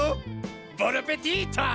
ボナペティート！